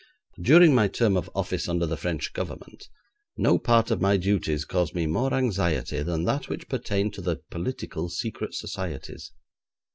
During my term of office under the French Government, no part of my duties caused me more anxiety than that which pertained to the political secret societies.